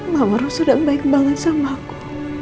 mama harus sedang baik banget sama aku